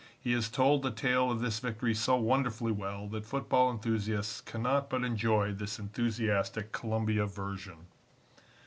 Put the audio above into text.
He has told the tale of this victory so wonderfully well that football enthusiasts cannot but enjoy this enthusiastic Columbia version.